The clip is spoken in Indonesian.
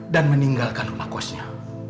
dan meninggalkan rumah kosnya